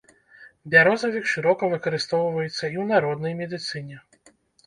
Бярозавік шырока выкарыстоўваецца і ў народнай медыцыне.